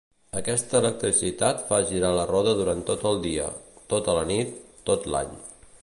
Aquesta electricitat fa girar la roda durant tot el dia, tota la nit, tot l'any.